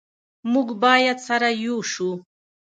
موږ باید سره ېو شو